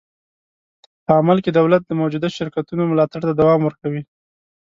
په عمل کې دولت د موجوده شرکتونو ملاتړ ته دوام ورکوي.